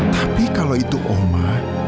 tapi kalau itu oma